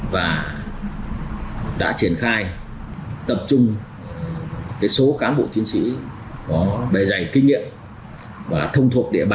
và đã triển khai tập trung số cán bộ chiến sĩ có bề dày kinh nghiệm và thông thuộc địa bàn